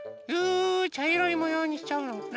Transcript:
ちゃいろいもようにしちゃおうかな。